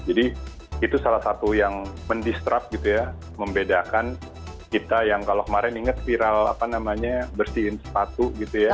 jadi itu salah satu yang mendistrap gitu ya membedakan kita yang kalau kemarin ingat viral apa namanya bersihin sepatu gitu ya